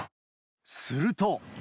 すると。